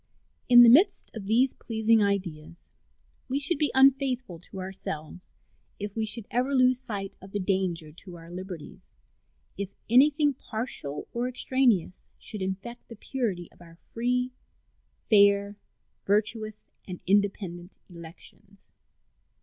In the midst of these pleasing ideas we should be unfaithful to ourselves if we should ever lose sight of the danger to our liberties if anything partial or extraneous should infect the purity of our free, fair, virtuous, and independent elections.